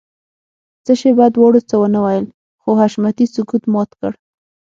څه شېبه دواړو څه ونه ويل خو حشمتي سکوت مات کړ.